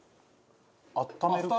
あっためる系？